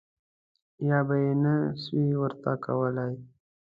یا به یې نه شوای ورته کولای.